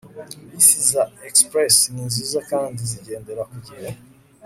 bisi za express ni nziza kandi zigendera ku gihe